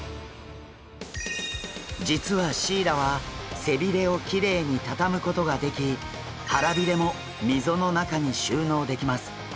実はシイラは背鰭をきれいに畳むことができ腹鰭も溝の中に収納できます。